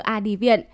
a đi viện